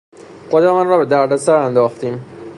خودمان را به دردسر انداختیم.